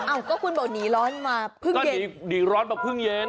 อ้าวก็คุณบอกหนีร้อนมาพึ่งเย็นก็หนีร้อนมาพึ่งเย็น